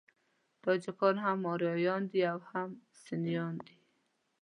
تاجکان هم آریایان دي او هم سنيان دي.